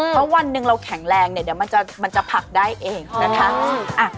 เพราะวันหนึ่งเราแข็งแรงเนี่ยเดี๋ยวมันจะผักได้เองนะคะ